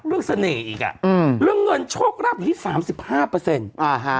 เสน่ห์อีกอ่ะอืมเรื่องเงินโชคราบอยู่ที่สามสิบห้าเปอร์เซ็นต์อ่าฮะ